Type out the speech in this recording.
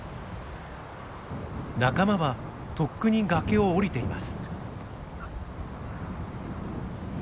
仲間はとっくに崖を下りています。